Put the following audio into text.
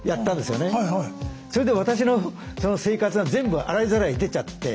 それで私のその生活が全部洗いざらい出ちゃって。